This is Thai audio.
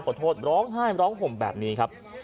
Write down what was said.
ขอโทษร้องไห้ร้องผมแบบนี้ครับ